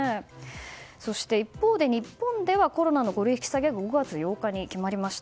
そして、一方で日本ではコロナの五類引き下げが５月８日に決まりました。